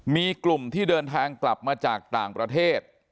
มีกลุ่มที่เดินทางกลับมาจากต่างประเทศ